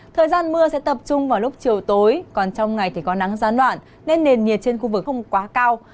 thời gian mưa sẽ tập trung vào lúc chiều tối còn trong ngày thì có nắng gián đoạn nên nền nhiệt trên khu vực không quá cao